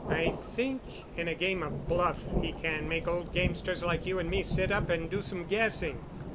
I think in a game of bluff he can make old gamesters like you and me sit up and do some guessing."